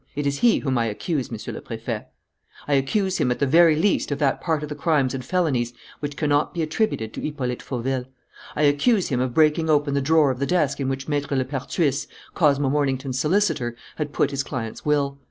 It is he whom I accuse, Monsieur le Préfet. "I accuse him at the very least of that part of the crimes and felonies which cannot be attributed to Hippolyte Fauville. I accuse him of breaking open the drawer of the desk in which Maître Lepertuis, Cosmo Mornington's solicitor, had put his client's will.